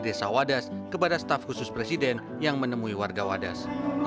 desa wadas kepada staf khusus presiden yang menemui warga wadas